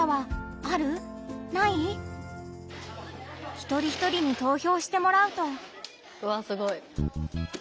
一人一人に投票してもらうと。わすごい。